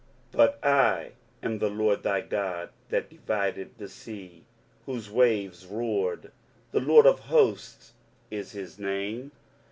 23:051:015 But I am the LORD thy God, that divided the sea, whose waves roared: The LORD of hosts is his name.